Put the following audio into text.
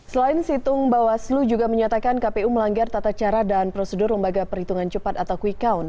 selain situng bawaslu juga menyatakan kpu melanggar tata cara dan prosedur lembaga perhitungan cepat atau quick count